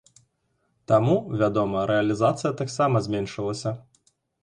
Таму, вядома, рэалізацыя таксама зменшылася.